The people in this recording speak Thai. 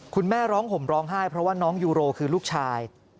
คุณแม่ร้องห่มร้องไห้เพราะว่าน้องยูโรคือลูกชาย